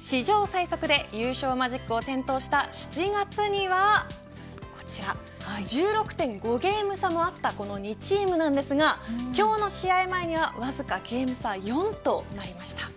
史上最速で優勝マジックを点灯した７月にはこちら、１６．５ゲーム差もあったこの２チームですが今日の試合の前にはわずかゲーム差４となりました。